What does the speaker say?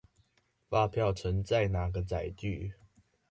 發票存在哪個載具